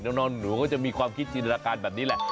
มันก็จะมีความคิดชีลละการแบบนี่แล้ว